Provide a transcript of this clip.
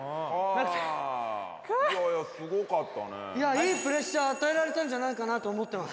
いいプレッシャー与えられたんじゃないかなと思ってます